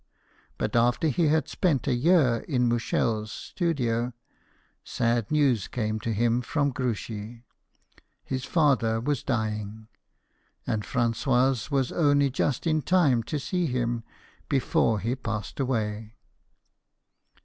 But after he had spent a year in Mouchel's studio, sad news came to him from Gruchy. HH father was dying, and Francois was only just in time to see him before he passed away.